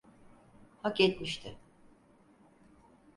Hak etmişti.